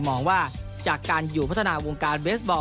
มองว่าจากการอยู่พัฒนาวงการเบสบอล